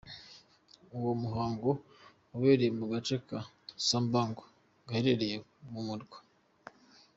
Uwo muhango wabereye mu gace ka Subang gaherereye mu murwa.